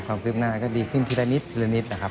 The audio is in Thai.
คลิปหน้าก็ดีขึ้นทีละนิดนะครับ